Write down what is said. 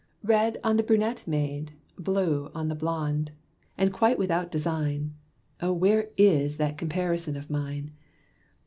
Red on the brunette maid; Blue on the blonde and quite without design (Oh, where is that comparison of mine?)